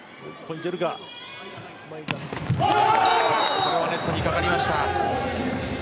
ここはネットに掛かりました。